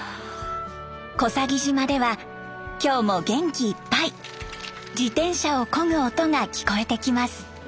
小佐木島では今日も元気いっぱい自転車をこぐ音が聞こえてきます。